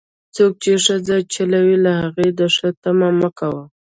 څوک چې ښځې چلوي، له هغو د ښو تمه مه کوه.